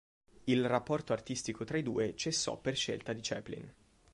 Il rapporto artistico tra i due cessò per scelta di Chaplin.